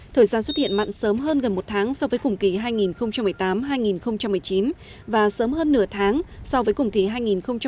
thời gian xuất hiện mặn sớm hơn gần một tháng so với cùng kỳ hai nghìn một mươi tám hai nghìn một mươi chín và sớm hơn nửa tháng so với cùng kỳ hai nghìn một mươi năm hai nghìn một mươi sáu